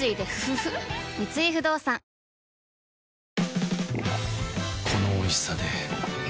三井不動産このおいしさで